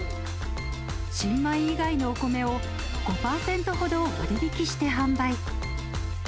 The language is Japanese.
新米以外のお米を５％ほど割引して販売。